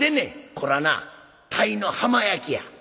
「これはな鯛の浜焼きや。